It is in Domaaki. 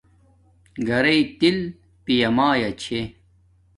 گھرݵ تل پیا مایا چھے